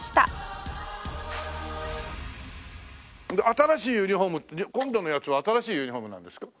新しいユニホームってじゃあ今度のやつは新しいユニホームなんですか？